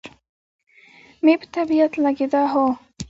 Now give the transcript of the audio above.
مې په طبیعت لګېده، هو.